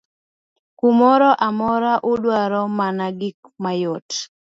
kumoro amora udwa mana gik mayot